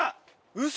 ウソ！